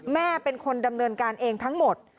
แม่เป็นคนดำเนินการเองทั้งหมด